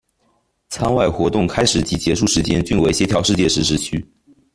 舱外活动开始及结束时间均为协调世界时时区。